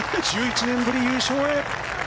１１年ぶり優勝へ。